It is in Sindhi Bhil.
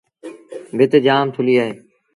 ڀت جآم ٿُليٚ اهي۔